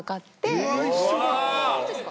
ホントですか？